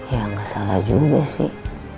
ya nggak salah juga sih